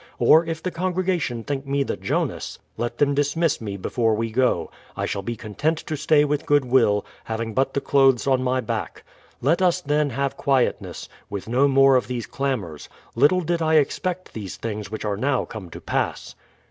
Or if the congregation think me the Jonas, let them dismiss me before we go; I shall be content to stay with goodwill, having but the clothes on my back. Let us then have quietness, and no more of these clamours; little did I expect these things which are now come to pass.